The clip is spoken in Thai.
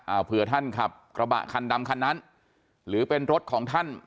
เผื่อท่านขับกระบะคันดำคันนั้นหรือเป็นรถของท่าน